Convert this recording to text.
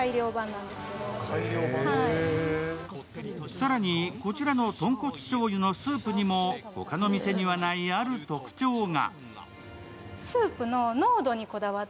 更にこちらの豚骨しょうゆのスープにも他の店にはないある特徴が。